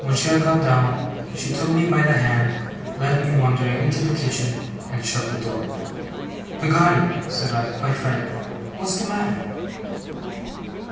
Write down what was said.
When she had got down, she took me by the hand; led me, wondering, into the kitchen; and shut the door. 'Peggotty!' said I, quite frightened. 'What's the matter?